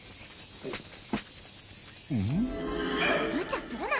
むちゃするな！